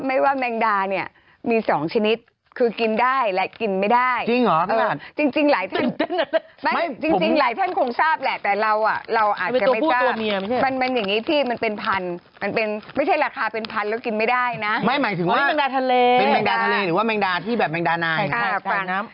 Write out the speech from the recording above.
ไม่หมายถึงว่าเป็นแมงดาทะเลหรือว่าแมงดาที่แบบแมงดานายนะครับใส่น้ำใส่น้ำพริก